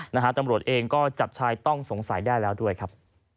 ตำรวจเองก็จับชายต้องสงสัยได้แล้วด้วยครับ